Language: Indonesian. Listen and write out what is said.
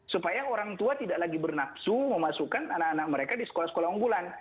supaya orang tua tidak lagi bernapsu memasukkan anak anak mereka di sekolah sekolah unggulan